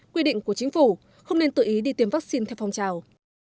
quy định của chính phủ không nên tự ý đi tiêm vaccine theo phong trào